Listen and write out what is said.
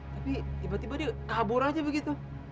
tapi tiba tiba dia kabur aja begitu